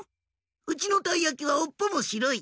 「うちのたいやきはおっぽもしろい。